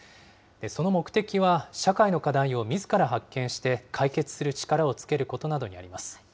その目的は、社会の課題をみずから発見して、解決する力をつけることなどにあります。